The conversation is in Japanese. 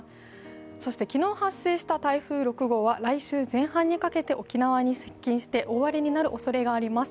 そして昨日発生した台風６号は来週前半にかけて沖縄に接近して大荒れになるおそれがあります。